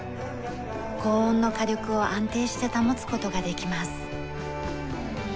高温の火力を安定して保つ事ができます。